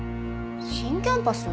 新キャンパス？